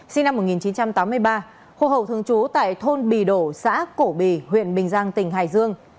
sinh năm một nghìn chín trăm tám mươi ba hộ hậu thường trú tại thôn bì đổ xã cổ bì huyện bình giang tỉnh hải dương